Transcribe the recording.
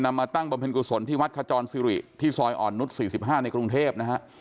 มาตั้งบำเพ็ญกุศลที่วัดขจรสิริที่ซอยอ่อนนุษย์๔๕ในกรุงเทพนะฮะ